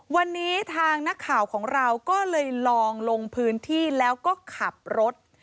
วันนี้ทางนักข่าวของเราก็เลยลองลงพื้นที่แล้วก็ขับรถ